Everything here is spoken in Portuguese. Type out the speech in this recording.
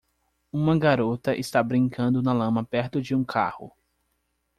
Uma garota está brincando na lama perto de um carro.